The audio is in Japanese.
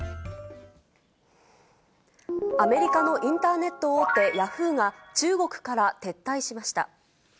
アメリカのインターネット大手、ヤフーが、中国から撤退しました。